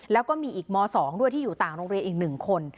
แล้วก็มีอีกม๒ด้วยที่อยู่ต่างโรงเรียนอีก๑คน